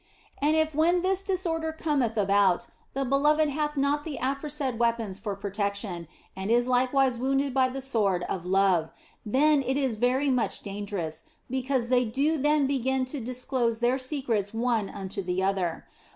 And if when this disorder cometh about, the beloved hath not the aforesaid weapons for protection, and is likewise wounded by the sword of love, then is it very much more dangerous, because they do then begin to dis close their secrets one unto the other.